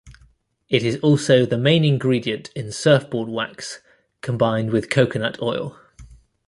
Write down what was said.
It is also the main ingredient in surfboard wax, combined with coconut oil.